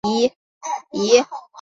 谊柯是壳斗科柯属的植物。